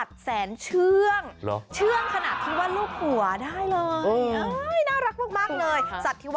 ทำไม